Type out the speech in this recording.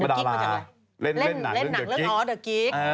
บรรดาราเล่นหนังเล่นหนังเรื่องอ๋อเดอร์กิ๊ก